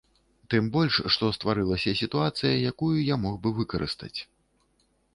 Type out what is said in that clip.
Тым больш што стварылася сітуацыя, якую я мог бы выкарыстаць.